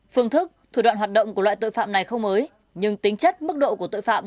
phương thức thủ đoạn hoạt động của loại tội phạm này không mới nhưng tính chất mức độ của tội phạm